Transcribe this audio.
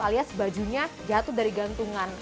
alias bajunya jatuh dari gantungan